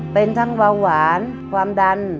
เป็นทั้งเบาหวานความดัน